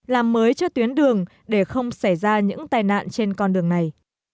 làm mới cho tuyến đường để không xảy ra những tai nạn trên con đường này